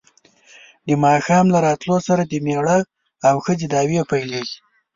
د ماښام له راتلو سره د مېړه او ښځې دعوې پیلېږي.